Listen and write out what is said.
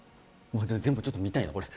全部ちょっと見たいなこれ。